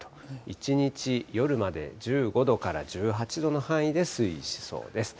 一日、夜まで１５度から１８度の範囲で推移しそうです。